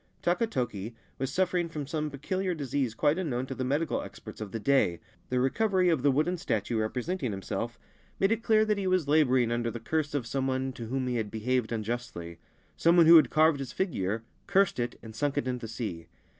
Takatoki was suffering from some peculiar disease quite unknown to the medical experts of the day. The recovery of the wooden statue representing himself made 108 A Story of Oki Islands it clear that he was labouring under the curse of some one to whom he had behaved unjustly — some one who had carved his figure, cursed it, and sunk it in the sea.